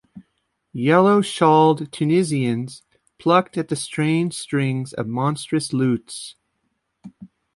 Yellow-shawled Tunisians plucked at the strained strings of monstrous lutes.